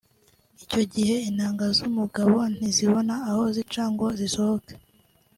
Icyo gihe intanga z’umugabo ntizibona aho zica ngo zisohoke